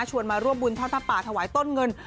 ชวนมาร่วมบุญพระพระป่าถวายต้นเงิน